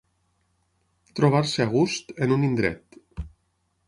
Trobar-se a gust en un indret.